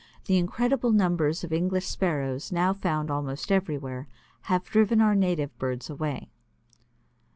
The incredible numbers of English Sparrows now found almost everywhere have driven our native birds away.